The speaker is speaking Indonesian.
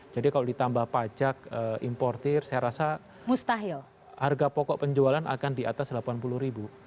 jadi kalau ditambah pajak importir saya rasa harga pokok penjualan akan di atas delapan puluh ribu